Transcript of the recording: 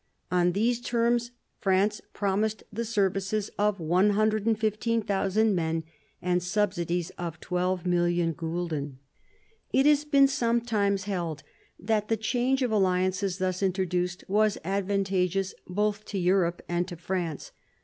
On these terms France promised the services of 115,000 men and subsidies of 12,000,000 gulden. It has been sometimes held that the change of alliances thus introduced was advantageous both to Europe and to France.